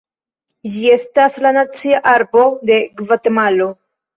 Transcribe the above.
Ĝi estas la nacia arbo de Gvatemalo.